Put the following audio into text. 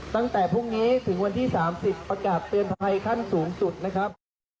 ตั้งแต่พรุ่งนี้ถึงวันที่๓๐ประกาศเตือนภัยขั้นสูงสุดนะครับ